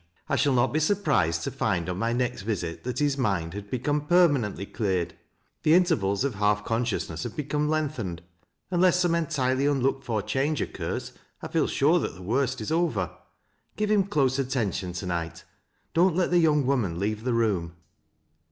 I should not be surprised to find on my next visit that hie mind had become permanently cleared. The intervals of half consciousness have become lengthened. Unless some entirely unlooked for change occurs, I feel sure that the worst is over. Give him close attention to night. Don't let the youHg woman leave the room."